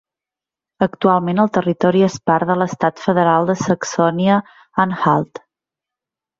Actualment el territori és part de l'estat federal de Saxònia-Anhalt.